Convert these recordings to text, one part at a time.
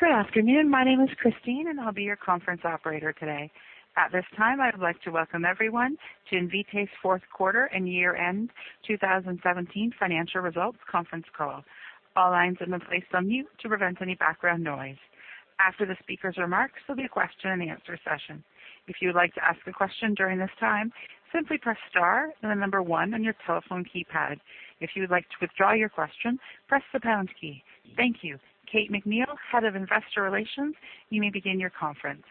Good afternoon. My name is Christine, and I'll be your conference operator today. At this time, I would like to welcome everyone to Invitae's fourth quarter and year-end 2017 financial results conference call. All lines have been placed on mute to prevent any background noise. After the speaker's remarks, there'll be a question and answer session. If you would like to ask a question during this time, simply press star and the number one on your telephone keypad. If you would like to withdraw your question, press the pound key. Thank you. Kate McNeil, Head of Investor Relations, you may begin your conference.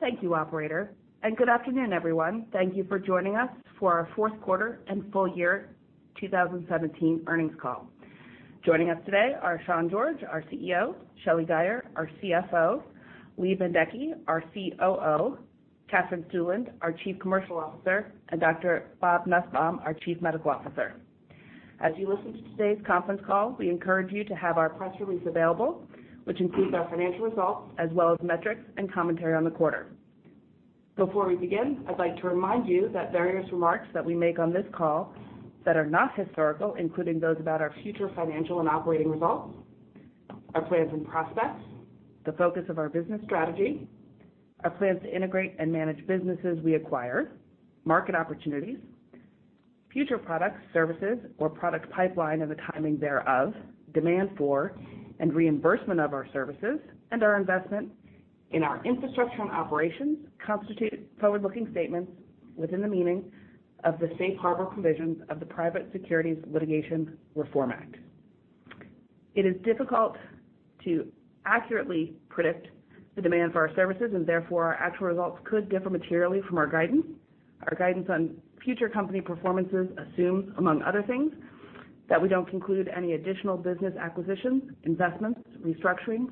Thank you, operator, good afternoon, everyone. Thank you for joining us for our fourth quarter and full year 2017 earnings call. Joining us today are Sean George, our CEO, Shelly Guyer, our CFO, Lee Bendekgey, our COO, Katherine Stueland, our Chief Commercial Officer, and Dr. Bob Nussbaum, our Chief Medical Officer. As you listen to today's conference call, we encourage you to have our press release available, which includes our financial results as well as metrics and commentary on the quarter. Before we begin, I'd like to remind you that various remarks that we make on this call that are not historical, including those about our future financial and operating results, our plans and prospects, the focus of our business strategy, our plans to integrate and manage businesses we acquire, market opportunities, future products, services, or product pipeline and the timing thereof, demand for and reimbursement of our services and our investment in our infrastructure and operations constitute forward-looking statements within the meaning of the Safe Harbor provisions of the Private Securities Litigation Reform Act. It is difficult to accurately predict the demand for our services and therefore, our actual results could differ materially from our guidance. Our guidance on future company performances assume, among other things, that we don't conclude any additional business acquisitions, investments, restructurings,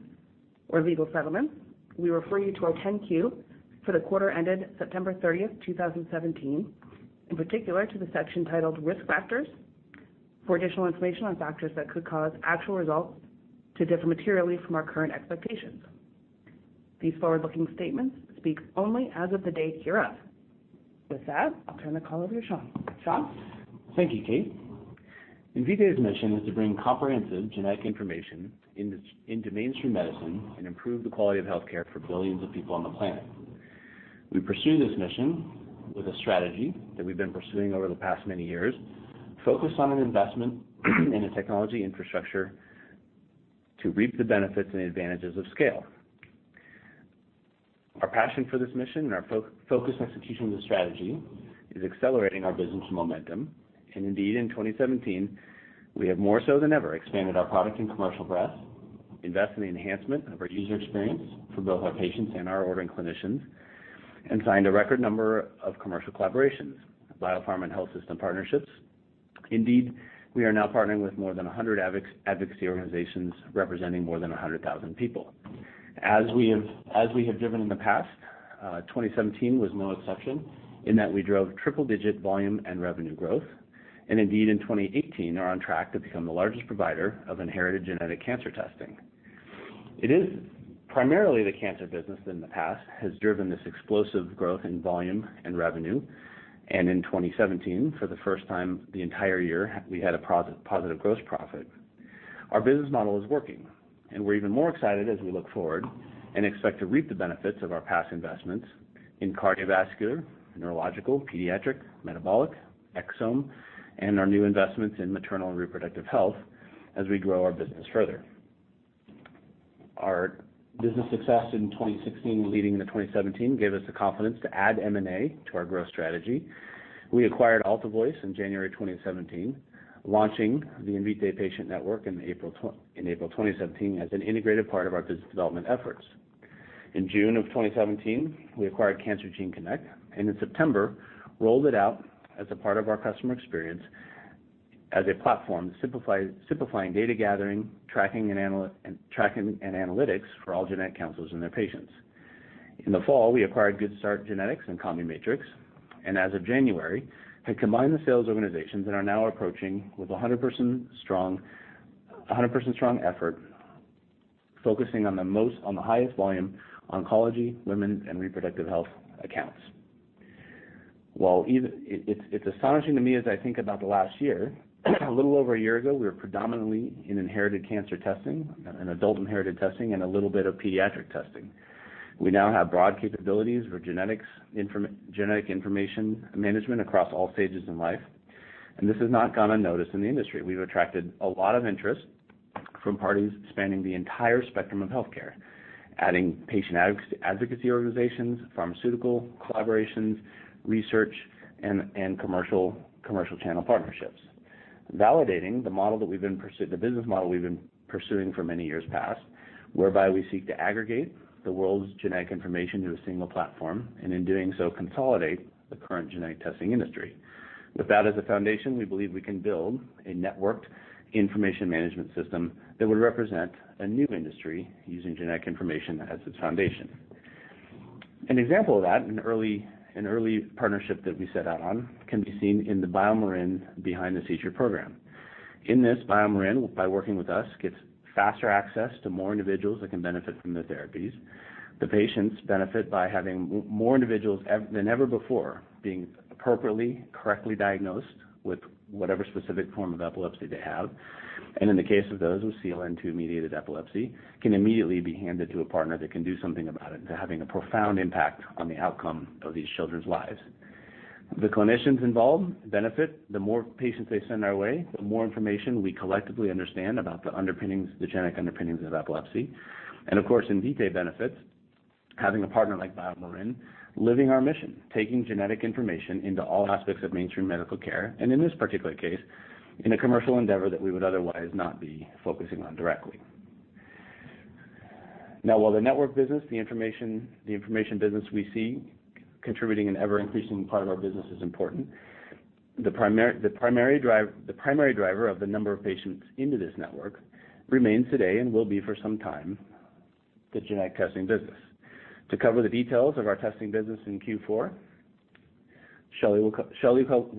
or legal settlements. We refer you to our 10-Q for the quarter ended September 30th, 2017, in particular to the section titled Risk Factors for additional information on factors that could cause actual results to differ materially from our current expectations. These forward-looking statements speak only as of the date hereof. With that, I'll turn the call over to Sean. Sean? Thank you, Kate. Invitae's mission is to bring comprehensive genetic information into mainstream medicine and improve the quality of healthcare for billions of people on the planet. We pursue this mission with a strategy that we've been pursuing over the past many years, focused on an investment in a technology infrastructure to reap the benefits and advantages of scale. Our passion for this mission and our focused execution of the strategy is accelerating our business momentum. Indeed, in 2017, we have more so than ever expanded our product and commercial breadth, invest in the enhancement of our user experience for both our patients and our ordering clinicians, and signed a record number of commercial collaborations, biopharma, and health system partnerships. Indeed, we are now partnering with more than 100 advocacy organizations representing more than 100,000 people. As we have driven in the past, 2017 was no exception, in that we drove triple-digit volume and revenue growth, and indeed in 2018 are on track to become the largest provider of inherited genetic cancer testing. It is primarily the cancer business in the past has driven this explosive growth in volume and revenue. In 2017, for the first time the entire year, we had a positive gross profit. Our business model is working, and we're even more excited as we look forward and expect to reap the benefits of our past investments in cardiovascular, neurological, pediatric, metabolic, exome, and our new investments in maternal and reproductive health as we grow our business further. Our business success in 2016 leading into 2017 gave us the confidence to add M&A to our growth strategy. We acquired AltaVoice in January 2017, launching the Invitae Patient Network in April 2017 as an integrated part of our business development efforts. In June of 2017, we acquired CancerGene Connect, and in September, rolled it out as a part of our customer experience as a platform simplifying data gathering, tracking, and analytics for all genetic counselors and their patients. In the fall, we acquired Good Start Genetics and CombiMatrix, and as of January, had combined the sales organizations and are now approaching with 100 person strong effort focusing on the highest volume oncology, women, and reproductive health accounts. It's astonishing to me as I think about the last year. A little over a year ago, we were predominantly in inherited cancer testing and adult inherited testing and a little bit of pediatric testing. We now have broad capabilities for genetic information management across all stages in life, this has not gone unnoticed in the industry. We've attracted a lot of interest from parties spanning the entire spectrum of healthcare, adding patient advocacy organizations, pharmaceutical collaborations, research, and commercial channel partnerships, validating the business model we've been pursuing for many years past, whereby we seek to aggregate the world's genetic information to a single platform, in doing so, consolidate the current genetic testing industry. With that as a foundation, we believe we can build a networked information management system that would represent a new industry using genetic information as its foundation. An example of that, an early partnership that we set out on, can be seen in the BioMarin Behind the Seizure program. In this, BioMarin, by working with us, gets faster access to more individuals that can benefit from their therapies. The patients benefit by having more individuals than ever before being appropriately, correctly diagnosed with whatever specific form of epilepsy they have. In the case of those with CLN2-mediated epilepsy, can immediately be handed to a partner that can do something about it, and having a profound impact on the outcome of these children's lives. The clinicians involved benefit. The more patients they send our way, the more information we collectively understand about the genetic underpinnings of epilepsy. Of course, Invitae benefits, having a partner like BioMarin, living our mission, taking genetic information into all aspects of mainstream medical care, and in this particular case, in a commercial endeavor that we would otherwise not be focusing on directly. While the network business, the information business we see contributing an ever-increasing part of our business is important, the primary driver of the number of patients into this network remains today and will be for some time, the genetic testing business. To cover the details of our testing business in Q4, Shelly will cover the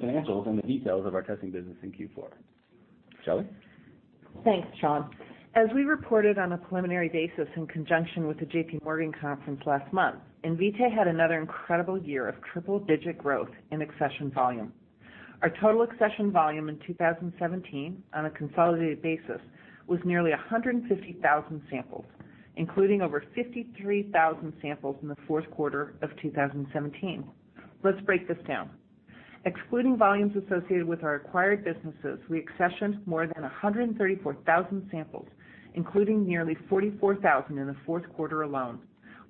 financials and the details of our testing business in Q4. Shelly? Thanks, Sean. As we reported on a preliminary basis in conjunction with the JP Morgan conference last month, Invitae had another incredible year of triple-digit growth in accession volume. Our total accession volume in 2017, on a consolidated basis, was nearly 150,000 samples, including over 53,000 samples in the fourth quarter of 2017. Let's break this down. Excluding volumes associated with our acquired businesses, we accessioned more than 134,000 samples, including nearly 44,000 in the fourth quarter alone,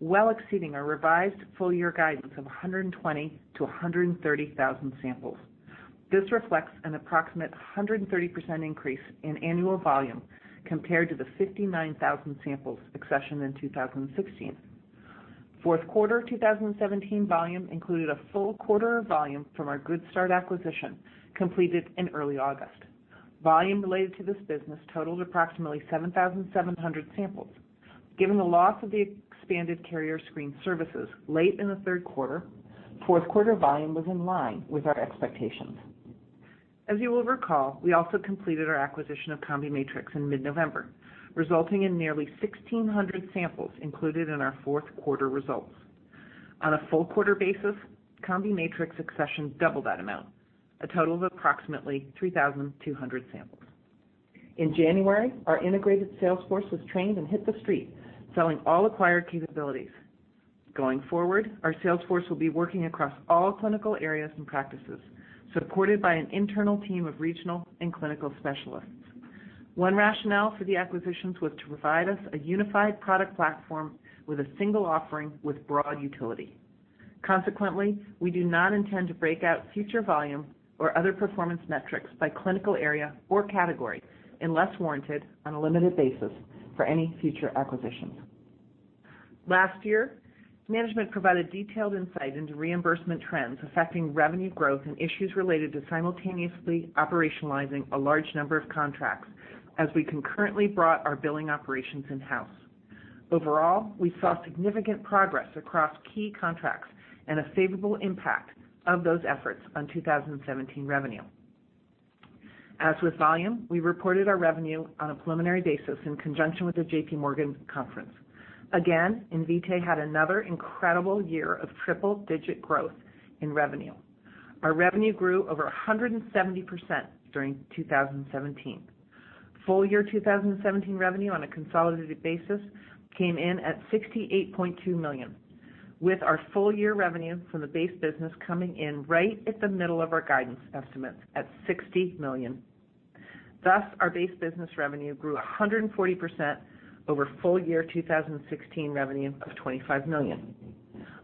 well exceeding our revised full-year guidance of 120,000 to 130,000 samples. This reflects an approximate 130% increase in annual volume compared to the 59,000 samples accessioned in 2016. Fourth quarter 2017 volume included a full quarter of volume from our Good Start acquisition, completed in early August. Volume related to this business totaled approximately 7,700 samples. Given the loss of the expanded carrier screen services late in the third quarter, fourth quarter volume was in line with our expectations. As you will recall, we also completed our acquisition of CombiMatrix in mid-November, resulting in nearly 1,600 samples included in our fourth quarter results. On a full quarter basis, CombiMatrix accessioned double that amount, a total of approximately 3,200 samples. In January, our integrated sales force was trained and hit the street, selling all acquired capabilities. Going forward, our sales force will be working across all clinical areas and practices, supported by an internal team of regional and clinical specialists. One rationale for the acquisitions was to provide us a unified product platform with a single offering with broad utility. Consequently, we do not intend to break out future volume or other performance metrics by clinical area or category unless warranted on a limited basis for any future acquisitions. Last year, management provided detailed insight into reimbursement trends affecting revenue growth and issues related to simultaneously operationalizing a large number of contracts as we concurrently brought our billing operations in-house. Overall, we saw significant progress across key contracts and a favorable impact of those efforts on 2017 revenue. As with volume, we reported our revenue on a preliminary basis in conjunction with the JP Morgan conference. Again, Invitae had another incredible year of triple-digit growth in revenue. Our revenue grew over 170% during 2017. Full year 2017 revenue on a consolidated basis came in at $68.2 million, with our full year revenue from the base business coming in right at the middle of our guidance estimates at $60 million. Thus, our base business revenue grew 140% over full year 2016 revenue of $25 million.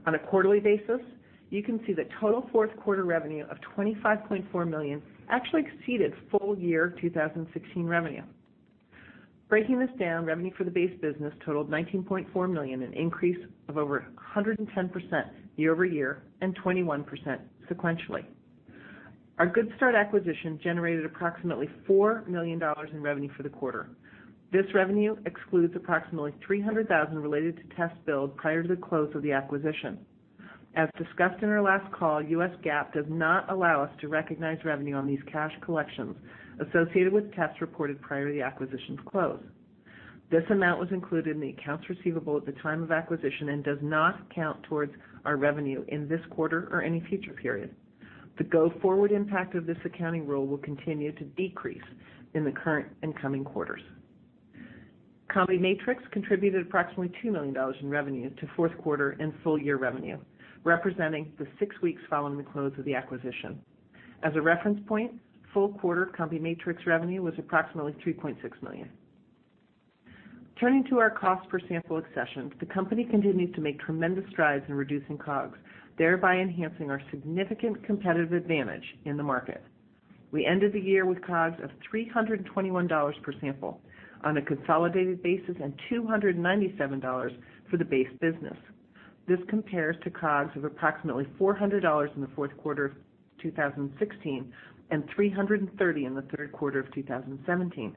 On a quarterly basis, you can see that total fourth quarter revenue of $25.4 million actually exceeded full year 2016 revenue. Breaking this down, revenue for the base business totaled $19.4 million, an increase of over 110% year-over-year and 21% sequentially. Our Good Start acquisition generated approximately $4 million in revenue for the quarter. This revenue excludes approximately $300,000 related to tests billed prior to the close of the acquisition. As discussed in our last call, US GAAP does not allow us to recognize revenue on these cash collections associated with tests reported prior to the acquisition's close. This amount was included in the accounts receivable at the time of acquisition and does not count towards our revenue in this quarter or any future period. The go-forward impact of this accounting rule will continue to decrease in the current and coming quarters. CombiMatrix contributed approximately $2 million in revenue to fourth quarter and full year revenue, representing the six weeks following the close of the acquisition. As a reference point, full quarter CombiMatrix revenue was approximately $3.6 million. Turning to our cost per sample accession, the company continues to make tremendous strides in reducing COGS, thereby enhancing our significant competitive advantage in the market. We ended the year with COGS of $321 per sample on a consolidated basis and $297 for the base business. This compares to COGS of approximately $400 in the fourth quarter of 2016 and $330 in the third quarter of 2017,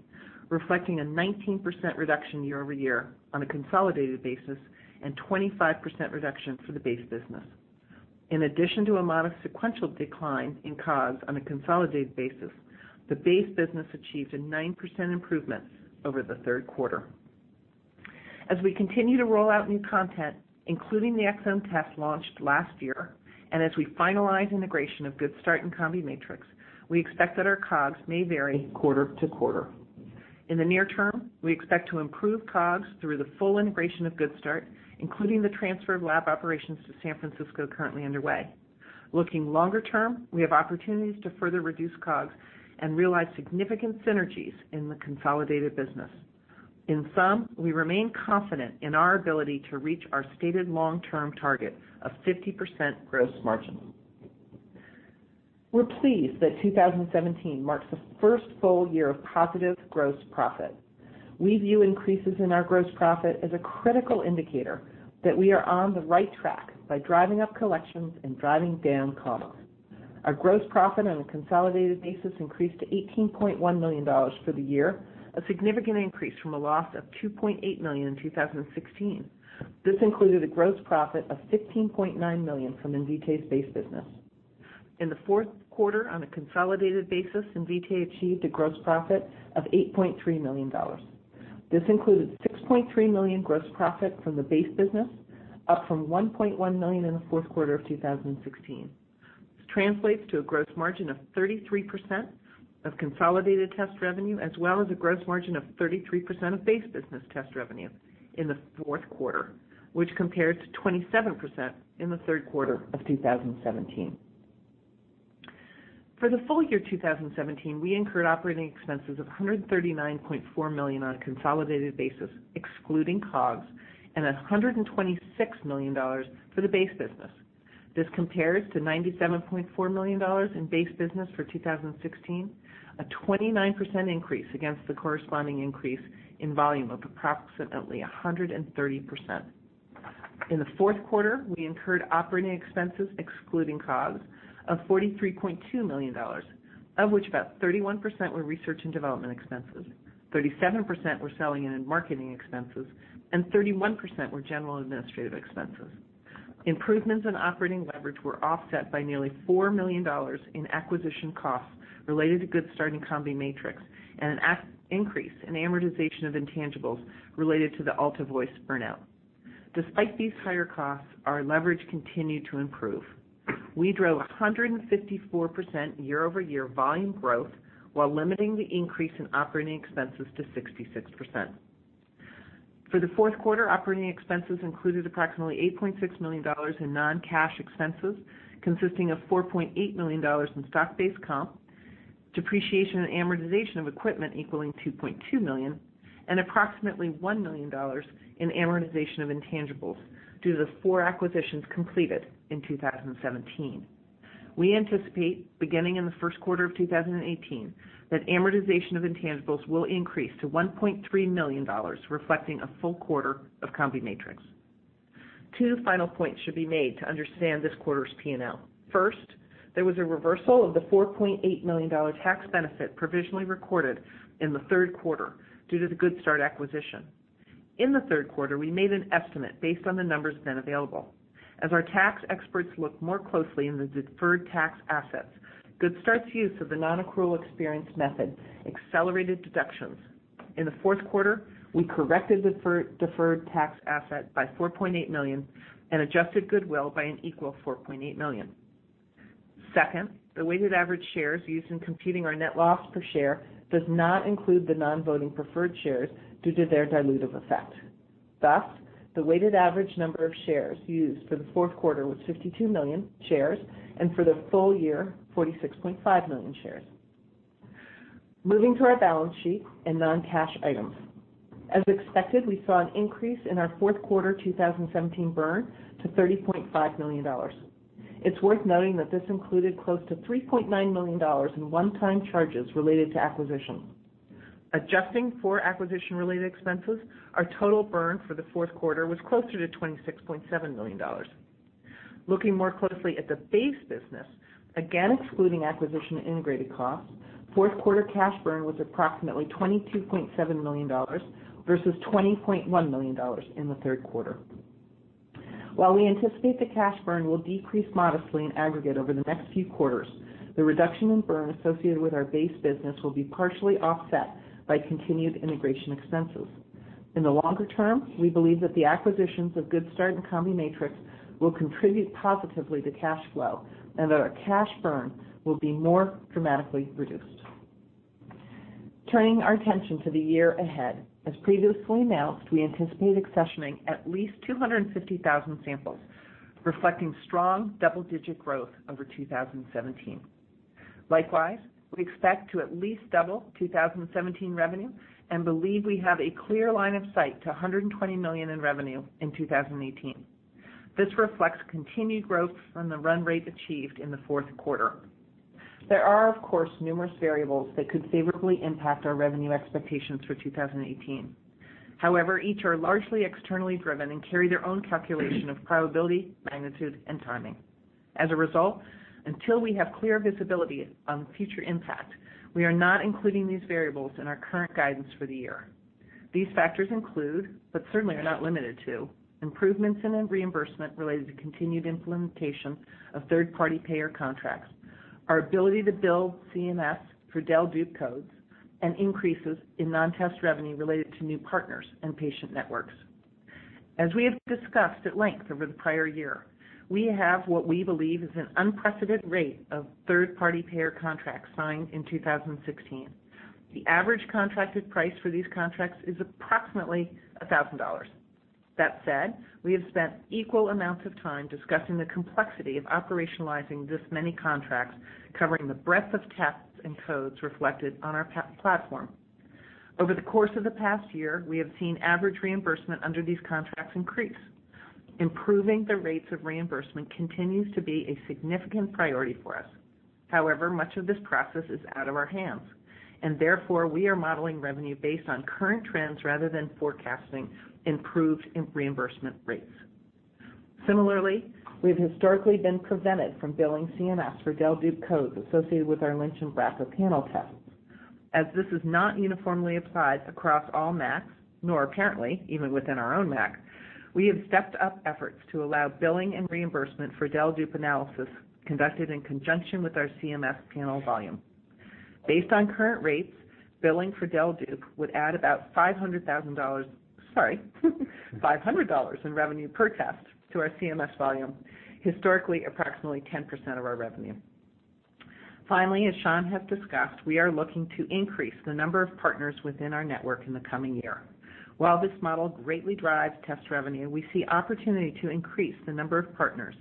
reflecting a 19% reduction year-over-year on a consolidated basis and 25% reduction for the base business. In addition to a modest sequential decline in COGS on a consolidated basis, the base business achieved a 9% improvement over the third quarter. As we continue to roll out new content, including the exome test launched last year, and as we finalize integration of Good Start and CombiMatrix, we expect that our COGS may vary quarter-to-quarter. In the near term, we expect to improve COGS through the full integration of Good Start, including the transfer of lab operations to San Francisco currently underway. Looking longer term, we have opportunities to further reduce COGS and realize significant synergies in the consolidated business. In sum, we remain confident in our ability to reach our stated long-term target of 50% gross margin. We're pleased that 2017 marks the first full year of positive gross profit. We view increases in our gross profit as a critical indicator that we are on the right track by driving up collections and driving down COGS. Our gross profit on a consolidated basis increased to $18.1 million for the year, a significant increase from a loss of $2.8 million in 2016. This included a gross profit of $15.9 million from Invitae's base business. In the fourth quarter, on a consolidated basis, Invitae achieved a gross profit of $8.3 million. This included $6.3 million gross profit from the base business, up from $1.1 million in the fourth quarter of 2016. This translates to a gross margin of 33% of consolidated test revenue, as well as a gross margin of 33% of base business test revenue in the fourth quarter, which compared to 27% in the third quarter of 2017. For the full year 2017, we incurred operating expenses of $139.4 million on a consolidated basis excluding COGS, and $126 million for the base business. This compares to $97.4 million in base business for 2016, a 29% increase against the corresponding increase in volume of approximately 130%. In the fourth quarter, we incurred operating expenses excluding COGS of $43.2 million, of which about 31% were research and development expenses, 37% were selling and marketing expenses, and 31% were general administrative expenses. Improvements in operating leverage were offset by nearly $4 million in acquisition costs related to Good Start and CombiMatrix, and an increase in amortization of intangibles related to the AltaVoice buyout. Despite these higher costs, our leverage continued to improve. We drove 154% year-over-year volume growth while limiting the increase in operating expenses to 66%. For the fourth quarter, operating expenses included approximately $8.6 million in non-cash expenses, consisting of $4.8 million in stock-based comp, depreciation and amortization of equipment equaling $2.2 million, and approximately $1 million in amortization of intangibles due to the four acquisitions completed in 2017. We anticipate, beginning in the first quarter of 2018, that amortization of intangibles will increase to $1.3 million, reflecting a full quarter of CombiMatrix. Two final points should be made to understand this quarter's P&L. First, there was a reversal of the $4.8 million tax benefit provisionally recorded in the third quarter due to the Good Start acquisition. In the third quarter, we made an estimate based on the numbers then available. As our tax experts looked more closely in the deferred tax assets, Good Start's use of the nonaccrual experience method accelerated deductions. In the fourth quarter, we corrected deferred tax asset by $4.8 million and adjusted goodwill by an equal $4.8 million. Second, the weighted average shares used in computing our net loss per share does not include the non-voting preferred shares due to their dilutive effect. Thus, the weighted average number of shares used for the fourth quarter was 52 million shares, and for the full year, 46.5 million shares. Moving to our balance sheet and non-cash items. As expected, we saw an increase in our fourth quarter 2017 burn to $30.5 million. It's worth noting that this included close to $3.9 million in one-time charges related to acquisition. Adjusting for acquisition-related expenses, our total burn for the fourth quarter was closer to $26.7 million. Looking more closely at the base business, again excluding acquisition integrated costs, fourth quarter cash burn was approximately $22.7 million versus $20.1 million in the third quarter. While we anticipate the cash burn will decrease modestly in aggregate over the next few quarters, the reduction in burn associated with our base business will be partially offset by continued integration expenses. In the longer term, we believe that the acquisitions of Good Start and CombiMatrix will contribute positively to cash flow, and that our cash burn will be more dramatically reduced. Turning our attention to the year ahead, as previously announced, we anticipate accessioning at least 250,000 samples, reflecting strong double-digit growth over 2017. Likewise, we expect to at least double 2017 revenue and believe we have a clear line of sight to $120 million in revenue in 2018. This reflects continued growth from the run rate achieved in the fourth quarter. There are, of course, numerous variables that could favorably impact our revenue expectations for 2018. However, each are largely externally driven and carry their own calculation of probability, magnitude, and timing. As a result, until we have clear visibility on future impact, we are not including these variables in our current guidance for the year. These factors include, but certainly are not limited to, improvements in reimbursement related to continued implementation of third-party payer contracts, our ability to bill CMS for del/dup codes, and increases in non-test revenue related to new partners and patient networks. As we have discussed at length over the prior year, we have what we believe is an unprecedented rate of third-party payer contracts signed in 2016. The average contracted price for these contracts is approximately $1,000. That said, we have spent equal amounts of time discussing the complexity of operationalizing this many contracts, covering the breadth of tests and codes reflected on our platform. Over the course of the past year, we have seen average reimbursement under these contracts increase. Improving the rates of reimbursement continues to be a significant priority for us. However, much of this process is out of our hands and therefore we are modeling revenue based on current trends rather than forecasting improved reimbursement rates. Similarly, we've historically been prevented from billing CMS for del/dup codes associated with our Lynch and BRCA panel tests. As this is not uniformly applied across all MACs, nor apparently even within our own MAC, we have stepped up efforts to allow billing and reimbursement for del/dup analysis conducted in conjunction with our CMS panel volume. Based on current rates, billing for del/dup would add about $500 in revenue per test to our CMS volume, historically approximately 10% of our revenue. Finally, as Sean has discussed, we are looking to increase the number of partners within our network in the coming year. While this model greatly drives test revenue, we see opportunity to increase the number of partners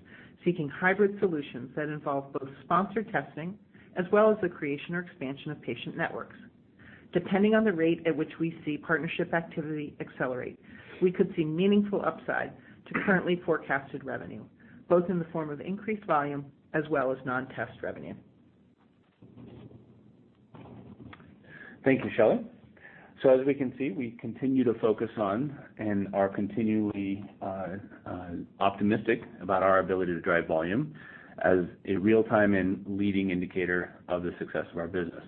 seeking hybrid solutions that involve both sponsored testing as well as the creation or expansion of patient networks. Depending on the rate at which we see partnership activity accelerate, we could see meaningful upside to currently forecasted revenue, both in the form of increased volume as well as non-test revenue. Thank you, Shelly. As we can see, we continue to focus on and are continually optimistic about our ability to drive volume as a real-time and leading indicator of the success of our business.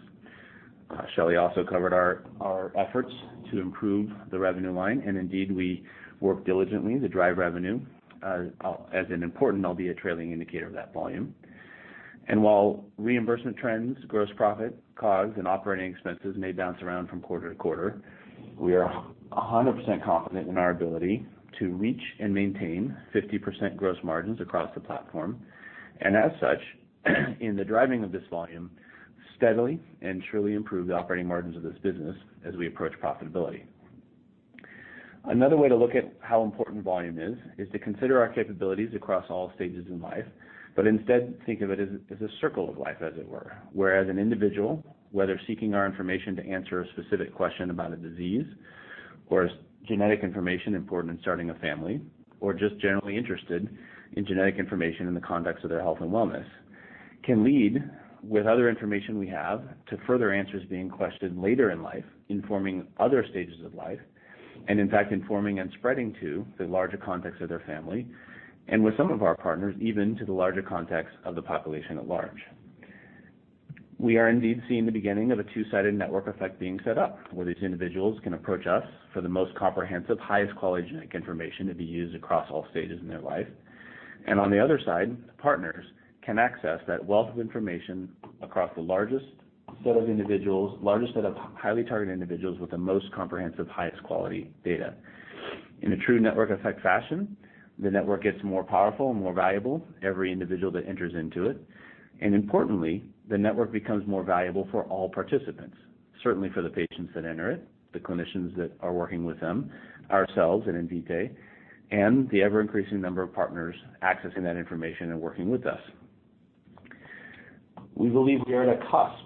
Indeed, we work diligently to drive revenue as an important, albeit trailing, indicator of that volume. While reimbursement trends, gross profit, COGS, and operating expenses may bounce around from quarter to quarter, we are 100% confident in our ability to reach and maintain 50% gross margins across the platform. As such, in the driving of this volume, steadily and truly improve the operating margins of this business as we approach profitability. Another way to look at how important volume is to consider our capabilities across all stages in life, instead think of it as a circle of life, as it were, where as an individual, whether seeking our information to answer a specific question about a disease or genetic information important in starting a family, or just generally interested in genetic information in the context of their health and wellness, can lead with other information we have to further answers being questioned later in life, informing other stages of life, and in fact, informing and spreading to the larger context of their family and with some of our partners, even to the larger context of the population at large. We are indeed seeing the beginning of a two-sided network effect being set up, where these individuals can approach us for the most comprehensive, highest quality genetic information to be used across all stages in their life. On the other side, partners can access that wealth of information across the largest set of highly targeted individuals with the most comprehensive, highest quality data. In a true network effect fashion, the network gets more powerful and more valuable every individual that enters into it. Importantly, the network becomes more valuable for all participants, certainly for the patients that enter it, the clinicians that are working with them, ourselves at Invitae, and the ever-increasing number of partners accessing that information and working with us. We believe we are at a cusp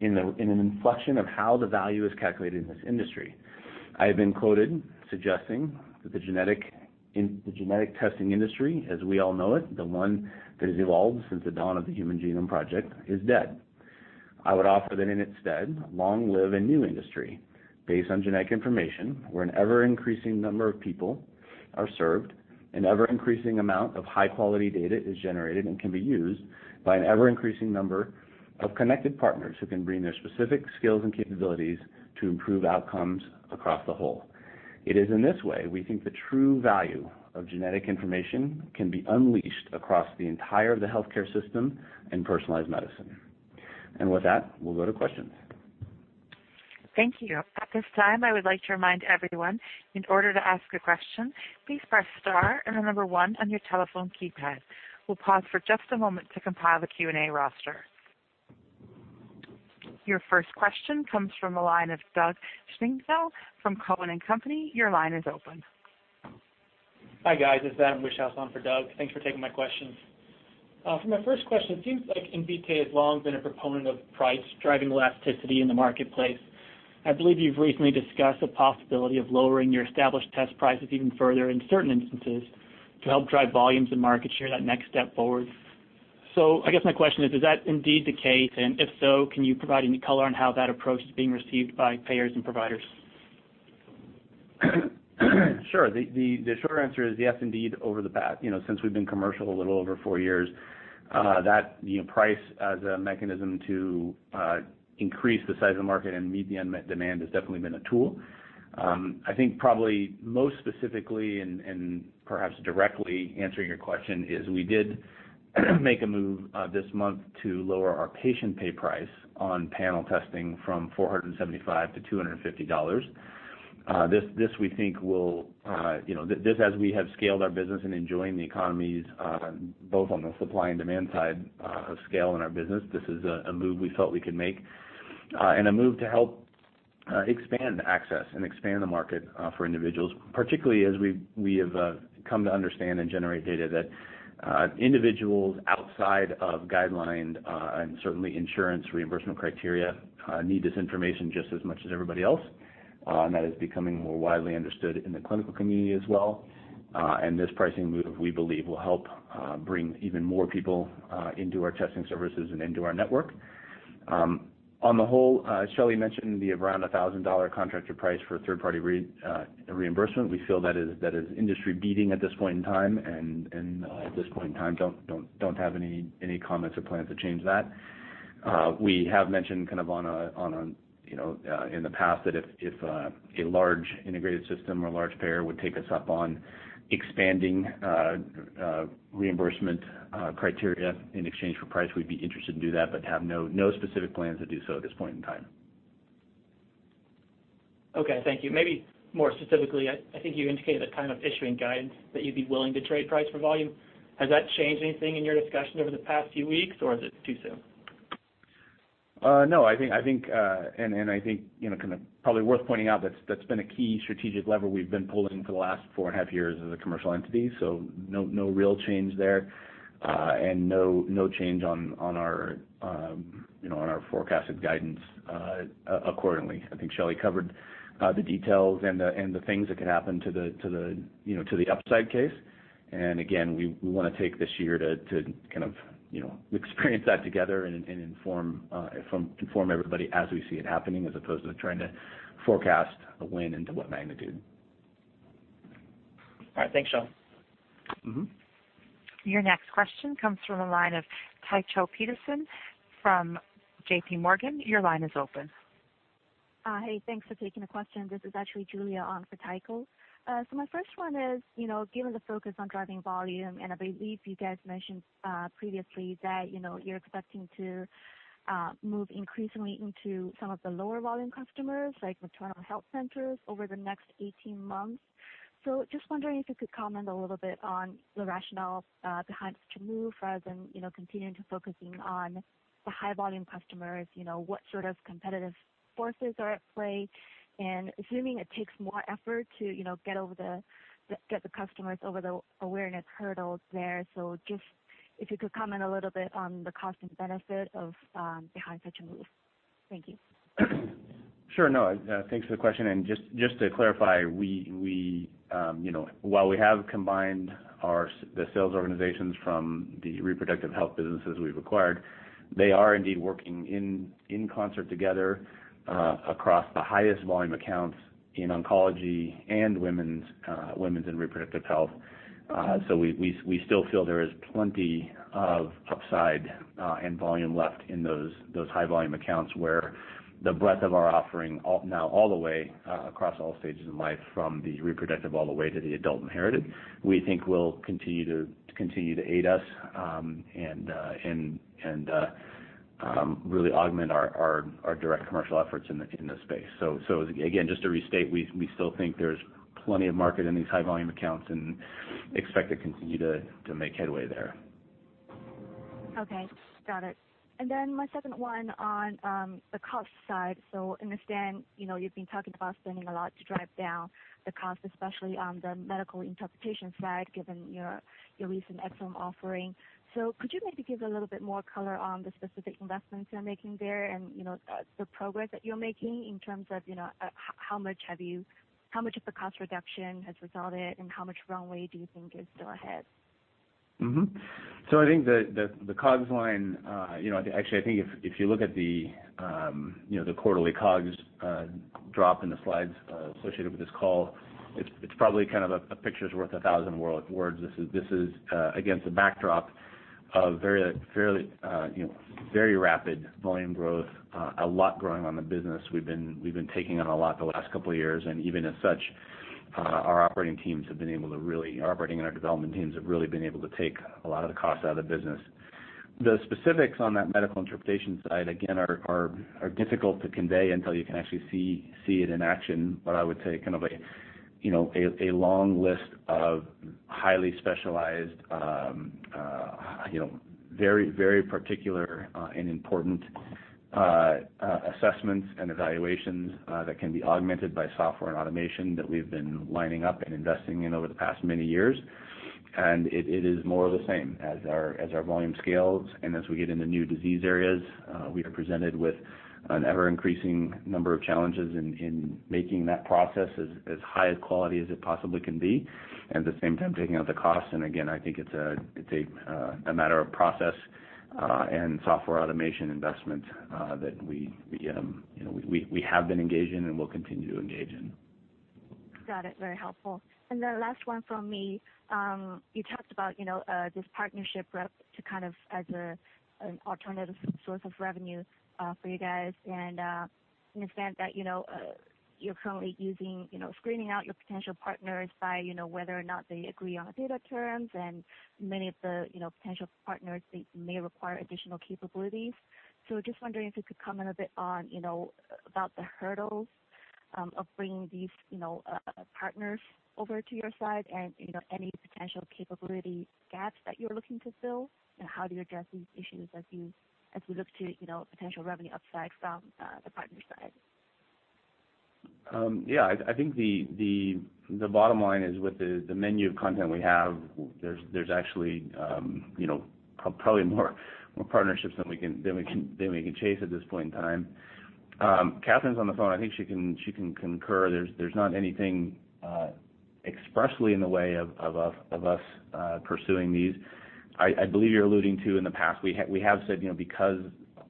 in an inflection of how the value is calculated in this industry. I have been quoted suggesting that the genetic testing industry, as we all know it, the one that has evolved since the dawn of the Human Genome Project, is dead. I would offer that in its stead, long live a new industry based on genetic information where an ever-increasing number of people are served, an ever-increasing amount of high-quality data is generated and can be used by an ever-increasing number of connected partners who can bring their specific skills and capabilities to improve outcomes across the whole. It is in this way we think the true value of genetic information can be unleashed across the entire of the healthcare system and personalized medicine. With that, we'll go to questions. Thank you. At this time, I would like to remind everyone in order to ask a question, please press star and the number 1 on your telephone keypad. We'll pause for just a moment to compile the Q&A roster. Your first question comes from the line of Doug Schenkel from Cowen and Company. Your line is open. Hi, guys. It's Adam Wieschhaus on for Doug. Thanks for taking my questions. For my first question, it seems like Invitae has long been a proponent of price driving elasticity in the marketplace. I believe you've recently discussed the possibility of lowering your established test prices even further in certain instances to help drive volumes and market share that next step forward. I guess my question is that indeed the case? If so, can you provide any color on how that approach is being received by payers and providers? Sure. The short answer is yes, indeed, over the past. Since we've been commercial, a little over four years, that price as a mechanism to increase the size of the market and meet the unmet demand has definitely been a tool. I think probably most specifically and perhaps directly answering your question is we did make a move this month to lower our patient pay price on panel testing from $475 to $250. This, as we have scaled our business and enjoying the economies both on the supply and demand side of scale in our business, this is a move we felt we could make and a move to help expand access and expand the market for individuals, particularly as we have come to understand and generate data that individuals outside of guideline and certainly insurance reimbursement criteria need this information just as much as everybody else. That is becoming more widely understood in the clinical community as well. This pricing move, we believe, will help bring even more people into our testing services and into our network. On the whole, Shelly mentioned the around $1,000 contractor price for third-party reimbursement. We feel that is industry-leading at this point in time, and at this point in time, don't have any comments or plans to change that. We have mentioned in the past that if a large integrated system or a large payer would take us up on expanding reimbursement criteria in exchange for price, we'd be interested to do that, but have no specific plans to do so at this point in time. Okay. Thank you. Maybe more specifically, I think you indicated that kind of issuing guidance that you'd be willing to trade price for volume. Has that changed anything in your discussion over the past few weeks, or is it too soon? No, I think kind of probably worth pointing out that's been a key strategic lever we've been pulling for the last four and a half years as a commercial entity. No real change there, and no change on our forecasted guidance accordingly. I think Shelly covered the details and the things that could happen to the upside case. Again, we want to take this year to kind of experience that together and inform everybody as we see it happening, as opposed to trying to forecast when and to what magnitude. All right. Thanks, Sean. Your next question comes from the line of Taicho Petersen from JP Morgan. Your line is open. Hey, thanks for taking the question. This is actually Julia on for Tejas. My first one is, given the focus on driving volume, I believe you guys mentioned previously that you're expecting to move increasingly into some of the lower volume customers, like maternal health centers, over the next 18 months. Just wondering if you could comment a little bit on the rationale behind such a move, rather than continuing to focusing on the high volume customers, what sort of competitive forces are at play? Assuming it takes more effort to get the customers over the awareness hurdles there, just if you could comment a little bit on the cost and benefit behind such a move. Thank you. Sure. No, thanks for the question, just to clarify, while we have combined the sales organizations from the reproductive health businesses we've acquired, they are indeed working in concert together across the highest volume accounts in oncology and women's and reproductive health. We still feel there is plenty of upside and volume left in those high volume accounts where the breadth of our offering now all the way across all stages of life, from the reproductive all the way to the adult and inherited, we think will continue to aid us and really augment our direct commercial efforts in this space. Again, just to restate, we still think there's plenty of market in these high volume accounts and expect to continue to make headway there. Okay. Got it. My second one on the cost side. Understand, you've been talking about spending a lot to drive down the cost, especially on the medical interpretation side, given your recent FM offering. Could you maybe give a little bit more color on the specific investments you're making there and the progress that you're making in terms of how much of the cost reduction has resulted and how much runway do you think is still ahead? I think the COGS. Actually, I think if you look at the quarterly COGS drop in the slides associated with this call, it's probably kind of a picture's worth 1,000 words. This is against a backdrop of very rapid volume growth, a lot growing on the business. We've been taking on a lot the last couple of years, even as such, our operating teams have been able to. Operating and our development teams have really been able to take a lot of the cost out of the business. The specifics on that medical interpretation side, again, are difficult to convey until you can actually see it in action. I would say kind of a long list of highly specialized, very particular and important assessments and evaluations that can be augmented by software and automation that we've been lining up and investing in over the past many years. It is more of the same. As our volume scales and as we get into new disease areas, we are presented with an ever-increasing number of challenges in making that process as high of quality as it possibly can be, and at the same time, taking out the cost. Again, I think it's a matter of process and software automation investment that we have been engaged in and will continue to engage in. Got it. Very helpful. The last one from me. You talked about this partnership rep as an alternative source of revenue for you guys, and understand that you're currently screening out your potential partners by whether or not they agree on data terms and many of the potential partners may require additional capabilities. Just wondering if you could comment a bit on about the hurdles of bringing these partners over to your side and any potential capability gaps that you're looking to fill and how do you address these issues as we look to potential revenue upside from the partner side? I think the bottom line is with the menu of content we have, there's actually probably more partnerships than we can chase at this point in time. Katherine's on the phone, I think she can concur. There's not anything expressly in the way of us pursuing these. I believe you're alluding to in the past, we have said because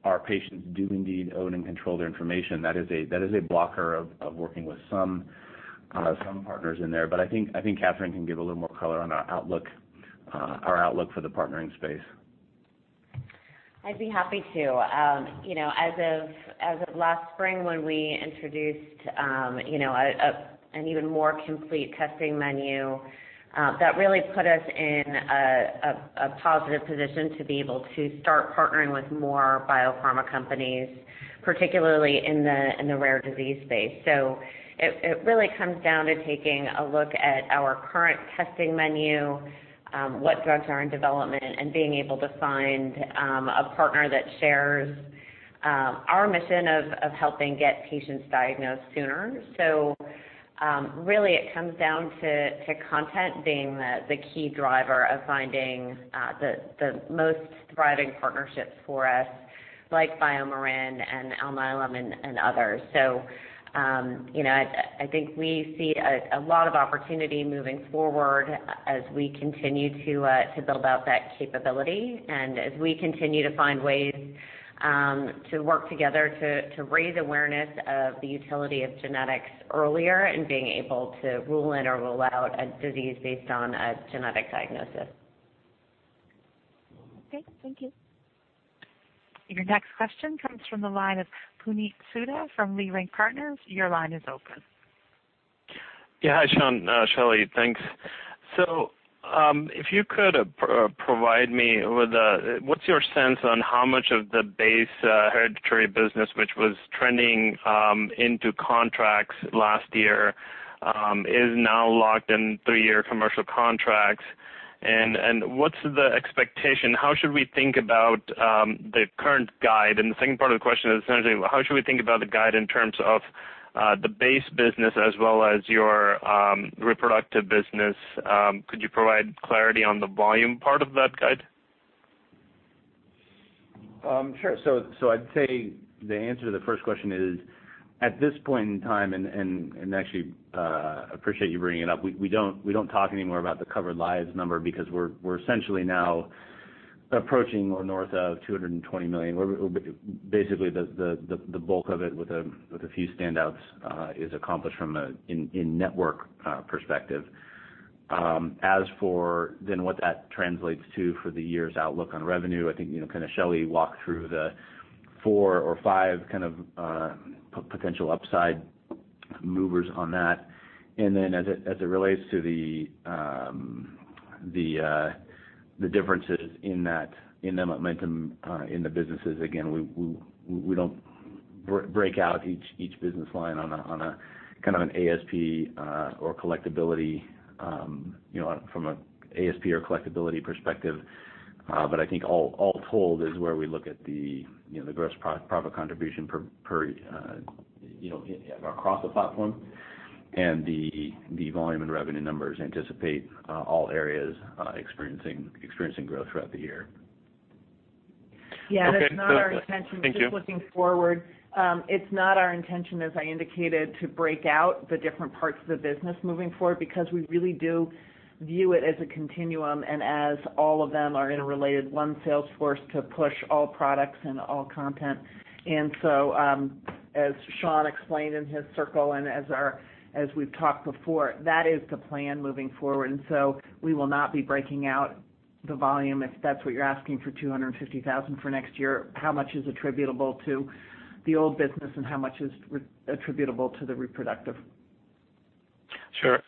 our patients do indeed own and control their information, that is a blocker of working with some partners in there. I think Katherine can give a little more color on our outlook for the partnering space. I'd be happy to. As of last spring when we introduced an even more complete testing menu, that really put us in a positive position to be able to start partnering with more biopharma companies, particularly in the rare disease space. It really comes down to taking a look at our current testing menu, what drugs are in development, and being able to find a partner that shares our mission of helping get patients diagnosed sooner. Really it comes down to content being the key driver of finding the most thriving partnerships for us, like BioMarin and Alnylam and others. I think we see a lot of opportunity moving forward as we continue to build out that capability and as we continue to find ways to work together to raise awareness of the utility of genetics earlier and being able to rule in or rule out a disease based on a genetic diagnosis. Okay, thank you. Your next question comes from the line of Puneet Souda from Leerink Partners. Your line is open. Hi, Sean, Shelly. Thanks. If you could provide me with what's your sense on how much of the base hereditary business, which was trending into contracts last year, is now locked in 3-year commercial contracts? What's the expectation? How should we think about the current guide? The second part of the question is essentially how should we think about the guide in terms of the base business as well as your reproductive business? Could you provide clarity on the volume part of that guide? Sure. I'd say the answer to the first question is, at this point in time and actually appreciate you bringing it up, we don't talk anymore about the covered lives number because we're essentially now approaching or north of 220 million. Basically, the bulk of it with a few standouts is accomplished in network perspective. As for what that translates to for the year's outlook on revenue, I think Shelly walked through the four or five kind of potential upside movers on that. As it relates to the differences in the momentum in the businesses, again, we don't break out each business line from an ASP or collectability perspective. I think all told is where we look at the gross profit contribution across the platform and the volume and revenue numbers anticipate all areas experiencing growth throughout the year. Okay. Thank you. Just looking forward, it's not our intention, as I indicated, to break out the different parts of the business moving forward because we really do view it as a continuum and as all of them are interrelated, one sales force to push all products and all content. As Sean explained in his circle and as we've talked before, that is the plan moving forward. We will not be breaking out the volume, if that's what you're asking for 250,000 for next year, how much is attributable to the old business and how much is attributable to the reproductive. Sure.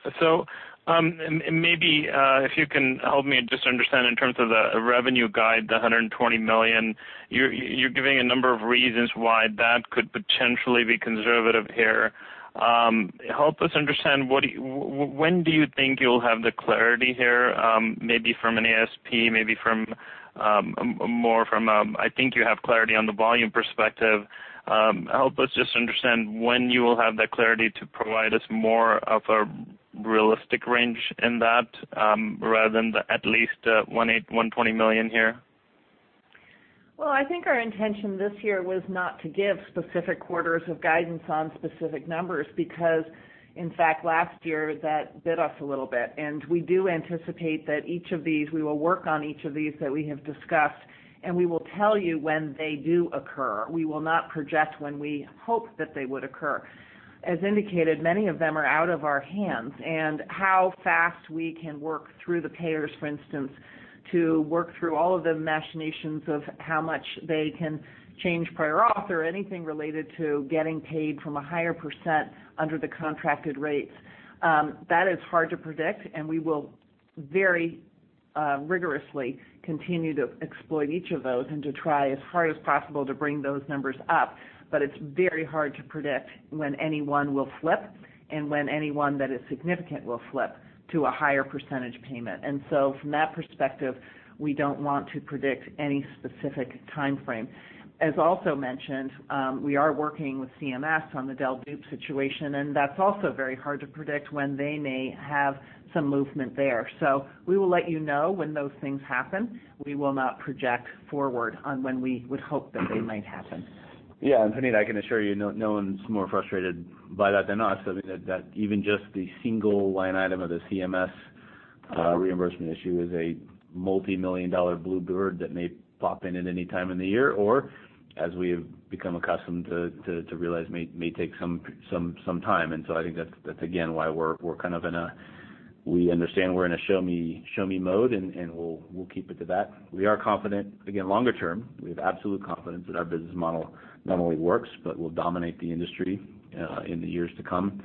Maybe if you can help me just understand in terms of the revenue guide, the $120 million, you're giving a number of reasons why that could potentially be conservative here. Help us understand when do you think you'll have the clarity here? Maybe from an ASP, maybe more from I think you have clarity on the volume perspective. Help us just understand when you will have that clarity to provide us more of a realistic range in that, rather than the at least $120 million here. Well, I think our intention this year was not to give specific quarters of guidance on specific numbers because, in fact, last year that bit us a little bit. We do anticipate that we will work on each of these that we have discussed, and we will tell you when they do occur. We will not project when we hope that they would occur. As indicated, many of them are out of our hands, and how fast we can work through the payers, for instance, to work through all of the machinations of how much they can change prior auth or anything related to getting paid from a higher % under the contracted rates. That is hard to predict, and we will very rigorously continue to exploit each of those and to try as hard as possible to bring those numbers up. It's very hard to predict when any one will flip and when any one that is significant will flip to a higher % payment. From that perspective, we don't want to predict any specific timeframe. As also mentioned, we are working with CMS on the del/dup situation, and that's also very hard to predict when they may have some movement there. We will let you know when those things happen. We will not project forward on when we would hope that they might happen. Yeah, Puneet, I can assure you, no one's more frustrated by that than us. I mean, that even just the single line item of the CMS reimbursement issue is a multimillion-dollar bluebird that may pop in at any time in the year, or as we have become accustomed to realize, may take some time. I think that's again, why we understand we're in a show me mode, and we'll keep it to that. We are confident, again, longer term. We have absolute confidence that our business model not only works but will dominate the industry in the years to come,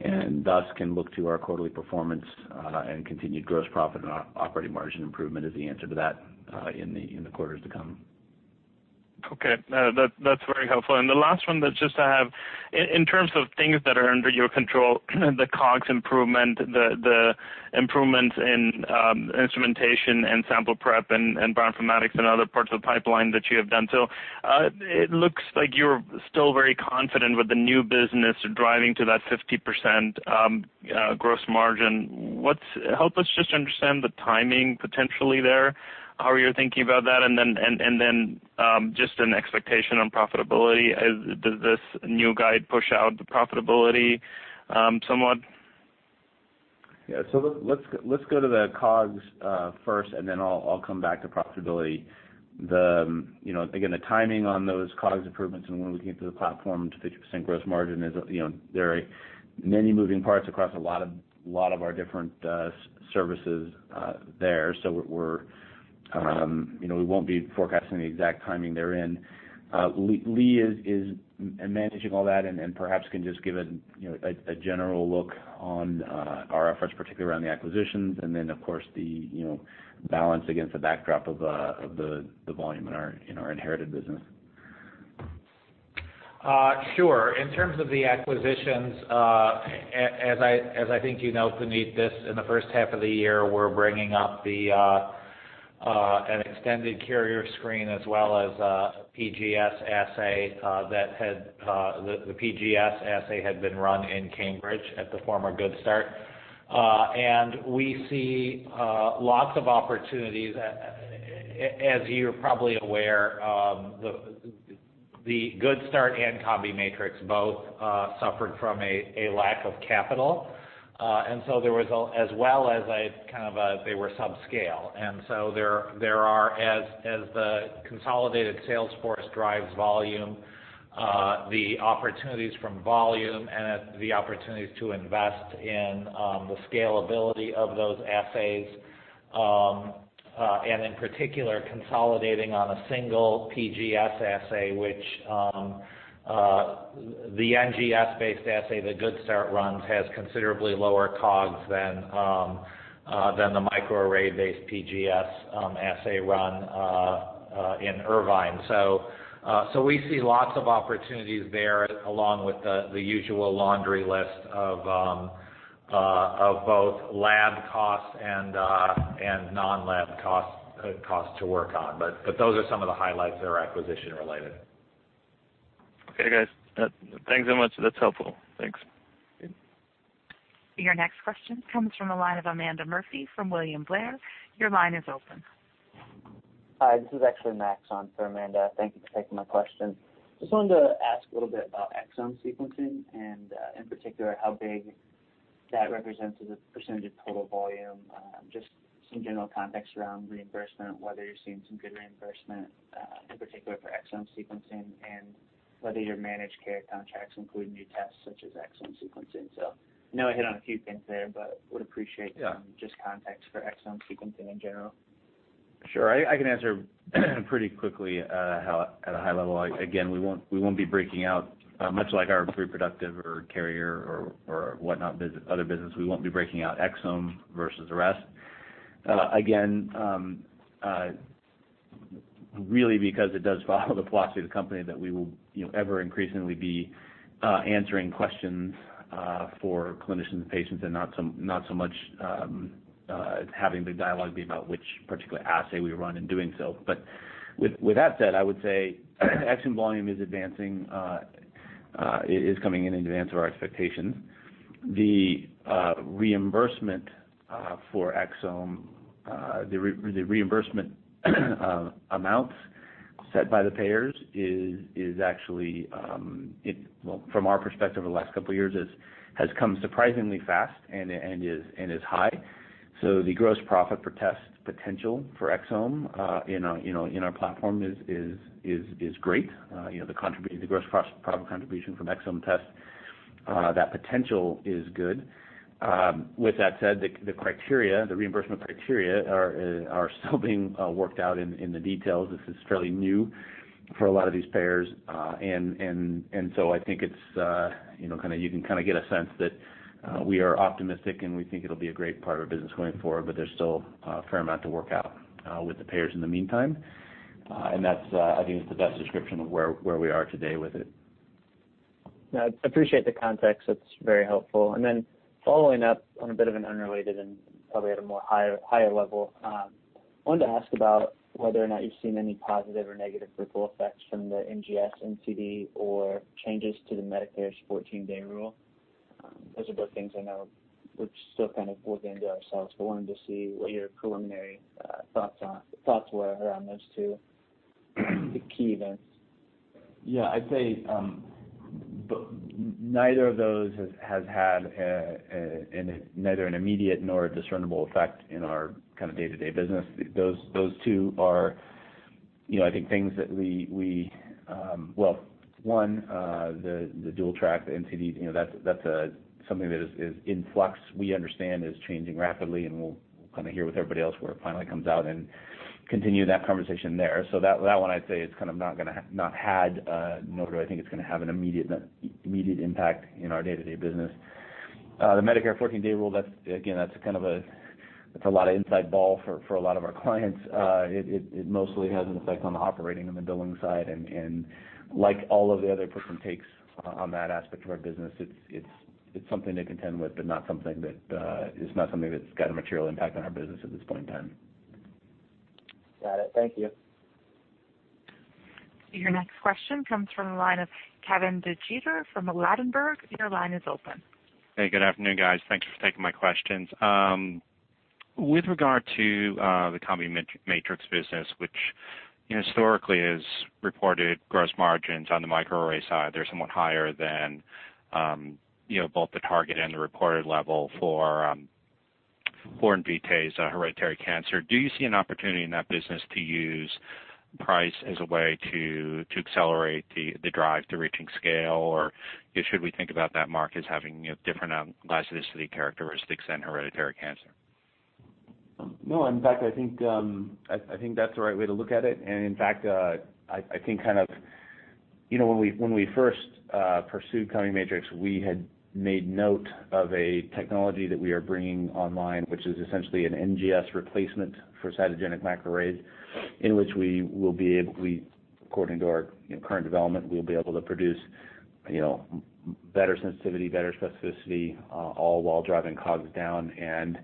and thus can look to our quarterly performance and continued gross profit and operating margin improvement as the answer to that in the quarters to come. Okay. That's very helpful. The last one that just I have, in terms of things that are under your control, the COGS improvement, the improvement in instrumentation and sample prep and bioinformatics and other parts of the pipeline that you have done. It looks like you're still very confident with the new business driving to that 50% gross margin. Help us just understand the timing potentially there, how you're thinking about that, and then just an expectation on profitability. Does this new guide push out the profitability somewhat? Yeah. Let's go to the COGS first, and then I'll come back to profitability. Again, the timing on those COGS improvements and when we can get to the platform to 50% gross margin is very many moving parts across a lot of our different services there. We won't be forecasting the exact timing therein. Lee is managing all that and perhaps can just give a general look on our efforts, particularly around the acquisitions and then, of course, the balance against the backdrop of the volume in our inherited business. Sure. In terms of the acquisitions, as I think you know, Puneet, in the first half of the year, we're bringing up an extended carrier screen as well as a PGS assay. The PGS assay had been run in Cambridge at the former Good Start. We see lots of opportunities. As you're probably aware, the Good Start and CombiMatrix both suffered from a lack of capital as well as they were subscale. There are, as the consolidated sales force drives volume, the opportunities from volume and the opportunities to invest in the scalability of those assays, and in particular, consolidating on a single PGS assay. The NGS-based assay that Good Start runs has considerably lower COGS than the microarray-based PGS assay run in Irvine. We see lots of opportunities there, along with the usual laundry list of both lab costs and non-lab costs to work on. Those are some of the highlights that are acquisition-related. Okay, guys. Thanks so much. That's helpful. Thanks. Okay. Your next question comes from the line of Amanda Murphy from William Blair. Your line is open. Hi, this is actually Max on for Amanda. Thank you for taking my question. Just wanted to ask a little bit about exome sequencing and, in particular, how big that represents as a percentage of total volume. Just some general context around reimbursement, whether you're seeing some good reimbursement, in particular for exome sequencing, and whether your managed care contracts include new tests such as exome sequencing. I know I hit on a few things there, but would appreciate some just context for exome sequencing in general. Sure. I can answer pretty quickly at a high level. Again, much like our reproductive or carrier or whatnot other business, we won't be breaking out exome versus the rest. Again, really because it does follow the philosophy of the company that we will ever increasingly be answering questions for clinicians and patients and not so much having the dialogue be about which particular assay we run in doing so. With that said, I would say exome volume is coming in advance of our expectations. The reimbursement for exome, the reimbursement amounts set by the payers is actually, from our perspective, the last couple of years, has come surprisingly fast and is high. The gross profit potential for exome in our platform is great. The gross profit contribution from exome tests, that potential is good. With that said, the reimbursement criteria are still being worked out in the details. This is fairly new for a lot of these payers. I think you can kind of get a sense that we are optimistic, and we think it'll be a great part of our business going forward, but there's still a fair amount to work out with the payers in the meantime. That, I think, is the best description of where we are today with it. No, I appreciate the context. That's very helpful. Following up on a bit of an unrelated and probably at a more higher level, I wanted to ask about whether or not you've seen any positive or negative ripple effects from the NGS NCD or changes to the Medicare's 14-day rule. Those are both things I know we're still kind of working into ourselves, wanted to see what your preliminary thoughts were around those two key events. Yeah, I'd say, neither of those has had neither an immediate nor a discernible effect in our kind of day-to-day business. Those two are, I think, things that Well, one, the dual track, the NCD, that's something that is in flux. We understand is changing rapidly, we'll kind of hear with everybody else when it finally comes out and continue that conversation there. That one I'd say is kind of not had, nor do I think it's going to have an immediate impact in our day-to-day business. The Medicare 14-day rule, again, that's a lot of inside ball for a lot of our clients. It mostly has an effect on the operating and the billing side. Like all of the other perspectives on that aspect of our business, it's something to contend with, but not something that's got a material impact on our business at this point in time. Got it. Thank you. Your next question comes from the line of Kevin DeGeeter from Ladenburg. Your line is open. Hey, good afternoon, guys. Thank you for taking my questions. With regard to the CombiMatrix business, which historically has reported gross margins on the microarray side, they're somewhat higher than both the target and the reported level for Invitae's hereditary cancer. Do you see an opportunity in that business to use price as a way to accelerate the drive to reaching scale? Or should we think about that market as having different elasticity characteristics than hereditary cancer? In fact, I think that's the right way to look at it. In fact, I think when we first pursued CombiMatrix, we had made note of a technology that we are bringing online, which is essentially an NGS replacement for cytogenic microarrays, in which we will be able, according to our current development, we'll be able to produce better sensitivity, better specificity, all while driving costs down and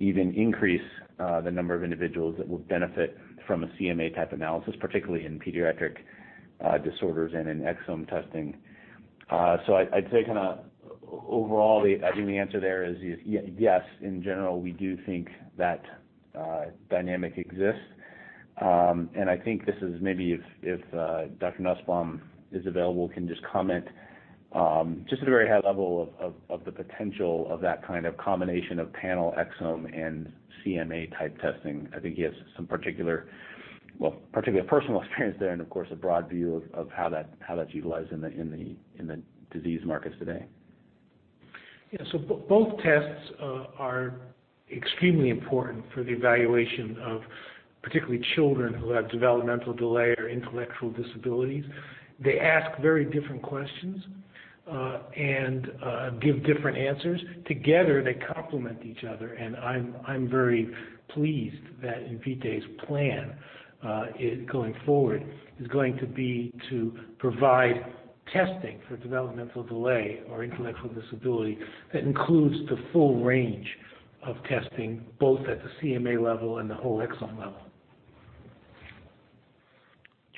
even increase the number of individuals that will benefit from a CMA-type analysis, particularly in pediatric disorders and in exome testing. I'd say kind of overall, I think the answer there is yes. In general, we do think that dynamic exists. I think this is maybe if Dr. Nussbaum is available, can just comment, just at a very high level of the potential of that kind of combination of panel exome and CMA-type testing. I think he has some particular personal experience there and of course, a broad view of how that's utilized in the disease markets today. Both tests are extremely important for the evaluation of particularly children who have developmental delay or intellectual disabilities. They ask very different questions and give different answers. Together, they complement each other, and I'm very pleased that Invitae's plan, going forward, is going to be to provide testing for developmental delay or intellectual disability that includes the full range of testing, both at the CMA level and the whole exome level.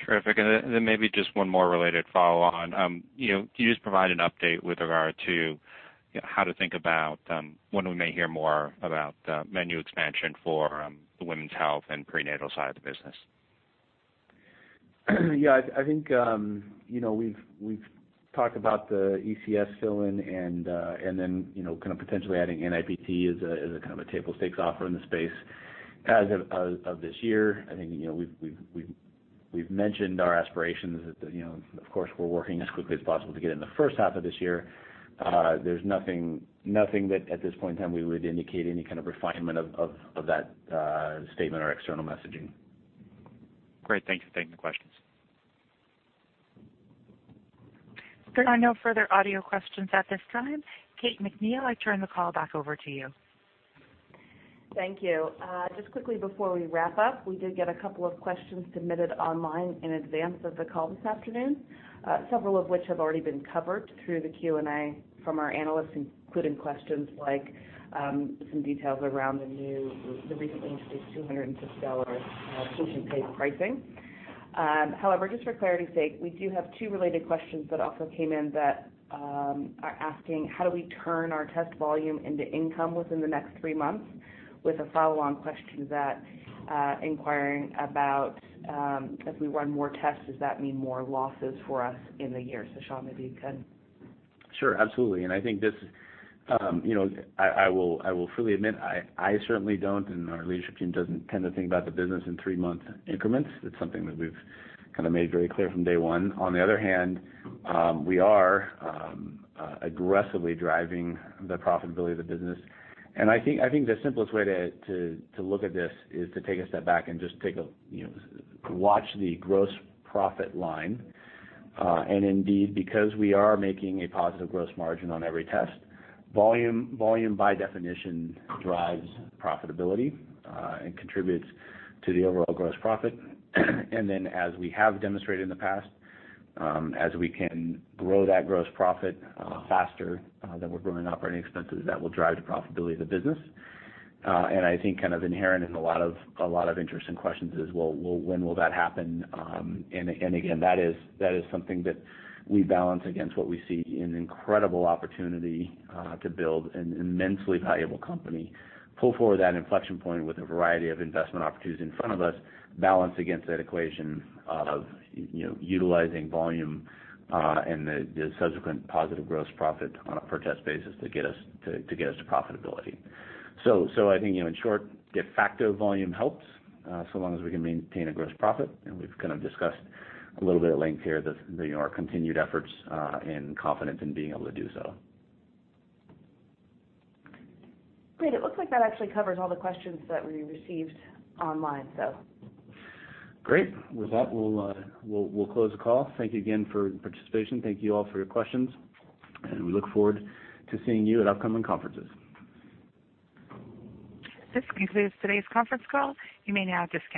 Terrific. Then maybe just one more related follow-on. Can you just provide an update with regard to how to think about when we may hear more about the menu expansion for the women's health and prenatal side of the business? I think, we've talked about the ECS fill-in and then kind of potentially adding NIPT as a kind of a table stakes offer in the space as of this year. I think we've mentioned our aspirations that of course, we're working as quickly as possible to get in the first half of this year. There's nothing that at this point in time we would indicate any kind of refinement of that statement or external messaging. Great. Thank you. Thank you for the questions. There are no further audio questions at this time. Kate McNeil, I turn the call back over to you. Thank you. Just quickly before we wrap up, we did get a couple of questions submitted online in advance of the call this afternoon, several of which have already been covered through the Q&A from our analysts, including questions like some details around the recently introduced $206 patient paid pricing. However, just for clarity's sake, we do have two related questions that also came in that are asking, "How do we turn our test volume into income within the next three months?" With a follow-on question inquiring about, "If we run more tests, does that mean more losses for us in the year?" Sean, maybe you can Sure, absolutely. I think I will freely admit, I certainly don't, and our leadership team doesn't tend to think about the business in three-month increments. It's something that we've made very clear from day one. On the other hand, we are aggressively driving the profitability of the business. I think the simplest way to look at this is to take a step back and just watch the gross profit line. Indeed, because we are making a positive gross margin on every test, volume by definition drives profitability, and contributes to the overall gross profit. Then as we have demonstrated in the past, as we can grow that gross profit faster than we're growing operating expenses, that will drive the profitability of the business. I think inherent in a lot of interesting questions is, well, when will that happen? Again, that is something that we balance against what we see an incredible opportunity to build an immensely valuable company, pull forward that inflection point with a variety of investment opportunities in front of us, balance against that equation of utilizing volume, and the subsequent positive gross profit on a per test basis to get us to profitability. I think, in short, de facto volume helps, so long as we can maintain a gross profit, and we've discussed a little bit at length here our continued efforts, and confidence in being able to do so. Great. It looks like that actually covers all the questions that we received online. Great. With that, we'll close the call. Thank you again for your participation. Thank you all for your questions, and we look forward to seeing you at upcoming conferences. This concludes today's conference call. You may now disconnect.